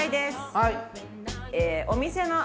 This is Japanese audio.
はい。